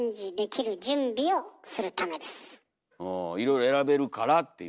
いろいろ選べるからっていう。